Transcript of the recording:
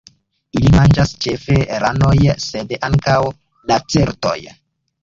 Ili manĝas ĉefe ranojn, sed ankaŭ lacertojn.